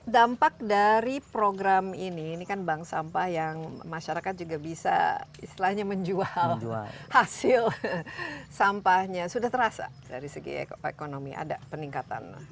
dampak dari program ini ini kan bank sampah yang masyarakat juga bisa istilahnya menjual hasil sampahnya sudah terasa dari segi ekonomi ada peningkatan